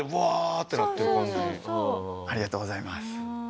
ありがとうございます。